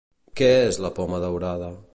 Què és la poma daurada?